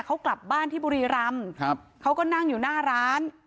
เขากลับบ้านที่บุรีรำครับเขาก็นั่งอยู่หน้าร้าน